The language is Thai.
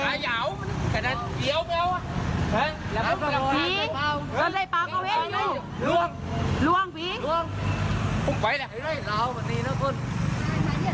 ทนซึ้งตามนั่งมา